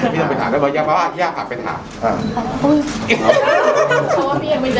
ต้องไปถามเหมือนกับว่าโอ้ยยากครับไปถาม